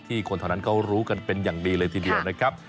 คนเท่านั้นเขารู้กันเป็นอย่างดีเลยทีเดียวนะครับ